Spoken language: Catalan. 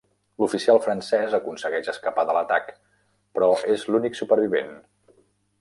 L'oficial francès aconsegueix escapar de l'atac, però és l'únic supervivent.